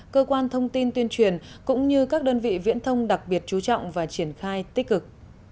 cơ quan thông tin tuyên truyền cũng như các đơn vị viễn thông đặc biệt chú trọng và triển khai tích cực